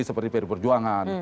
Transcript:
seperti peri perjuangan